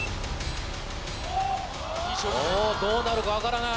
おぉどうなるか分からない。